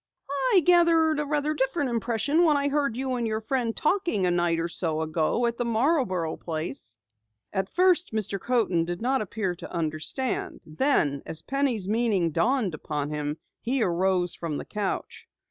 "I gathered a different impression when I heard you and your friend talking a night or so ago at the Marborough place." At first Mr. Coaten did not appear to understand, then as Penny's meaning dawned upon him, he arose from the couch.